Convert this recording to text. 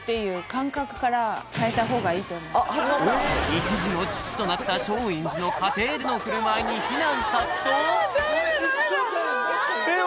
一児の父となった松陰寺の家庭での振る舞いに非難殺到！？